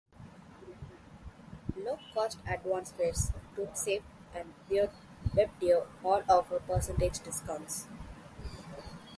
Low-Cost Advance Fares, GroupSave and WebDuo all offer percentage discounts.